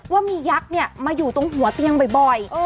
ว่ามียักษ์มาอยู่ตรงหัวเตียงบ่อย